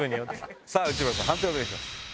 内村さん判定をお願いします。